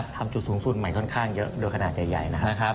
จุดสูงสุดใหม่ค่อนข้างเยอะโดยขนาดใหญ่นะครับ